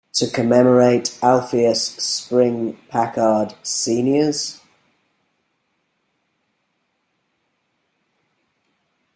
To commemorate Alpheus Spring Packard Srs.